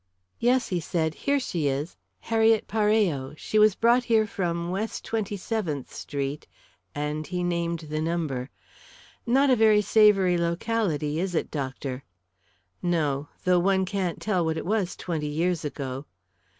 "Yes," he said, "here she is Harriet Parello. She was brought here from West Twenty seventh Street," and he named the number. "Not a very savoury locality, is it, doctor?" "No; though one can't tell what it was twenty years ago."